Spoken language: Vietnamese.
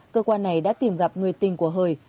cơ quan này đã tìm gặp người tình của hời